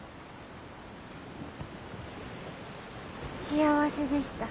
幸せでした。